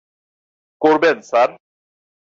করবেন, স্যার।